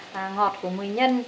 ngọt của mùi nhân